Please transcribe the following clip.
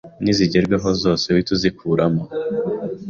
nizigerwaho zose uhite uzikuramo,